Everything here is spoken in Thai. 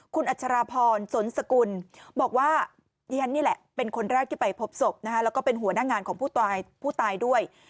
คุณอัชราพรสนสกุลบอกว่าดิฉันนี่แหละเป็นคนแรกที่ไปพบศพแล้วก็เป็นหัวหน้างานของผู้ตายด้วย